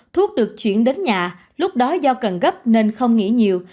thuốc được chuyển đến nhà lúc đó do cần gấp nên không nghỉ nhiều